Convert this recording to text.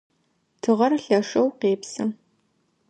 Тыгъэр лъэшэу къепсы.